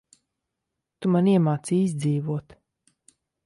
Tu man iemācīji izdzīvot.